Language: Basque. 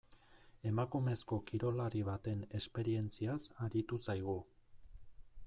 Emakumezko kirolari baten esperientziaz aritu zaigu.